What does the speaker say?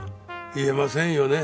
言えませんよね